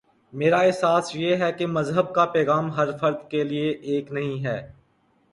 میرا احساس یہ ہے کہ مذہب کا پیغام ہر فرد کے لیے ایک نہیں ہے۔